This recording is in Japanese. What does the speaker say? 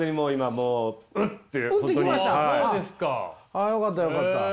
ああよかったよかった。